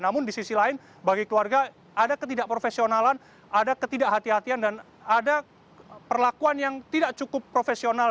namun di sisi lain bagi keluarga ada ketidakprofesionalan ada ketidakhatian dan ada perlakuan yang tidak cukup profesional